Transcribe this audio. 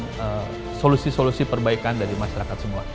kami juga akan menerima solusi solusi perbaikan dari masyarakat semua